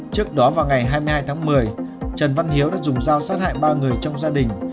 trước đó vào ngày hai mươi hai tháng một mươi trần văn hiếu đã dùng dao sát hại ba người trong gia đình